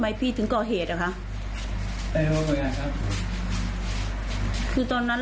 เดินออกมาเรื่อยเลย